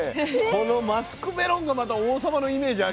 このマスクメロンがまた王様のイメージありますね